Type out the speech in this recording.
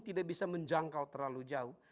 tidak bisa menjangkau terlalu jauh